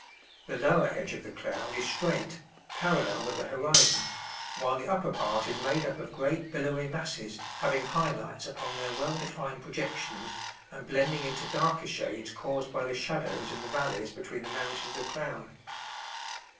The lower edge of the cloud is straight, parallel with the horizon, while the upper part is made up of great billowy masses, having high lights upon their well defined projections and blending into darker shades caused by the shadows in the valleys between the mountains of cloud.